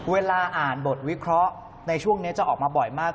เวลาอ่านบทวิเคราะห์ในช่วงนี้จะออกมาบ่อยมาก